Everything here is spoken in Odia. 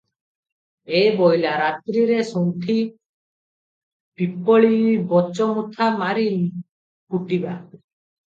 'ଏ ବୋଇଲା, ରାତ୍ରିରେ ଶୁଣ୍ଠି, ପିପ୍ପଳି ବଚ ମୁଥା ମାରି କୁଟିବା ।"